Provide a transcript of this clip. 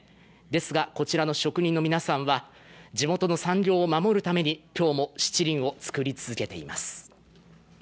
ですがこちらの職人の皆さんは地元の産業を守るために、今日もしちりんを作り続けています。